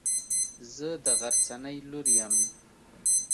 زه د غرڅنۍ لور يم.